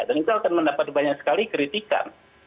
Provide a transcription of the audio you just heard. dan kita akan mendapat banyak sekali kritikan